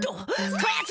こやつ！